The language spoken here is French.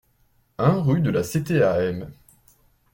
un rUE DE LA CTAM